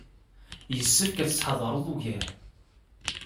Yessefk ad tettḥadareḍ ugar.